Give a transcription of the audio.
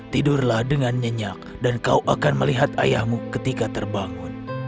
tidurlah dengan nyenyak dan kau akan melihat ayahmu ketika terbangun